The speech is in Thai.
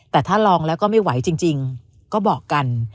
แต่ถ้าลองแล้วก็ไม่ไหวจริงก็บอกกัน